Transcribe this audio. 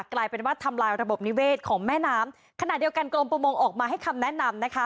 กลายเป็นว่าทำลายระบบนิเวศของแม่น้ำขณะเดียวกันกรมประมงออกมาให้คำแนะนำนะคะ